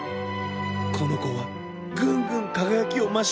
このこはぐんぐんかがやきをましていったの。